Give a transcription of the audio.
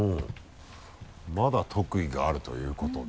まだ特技があるということで。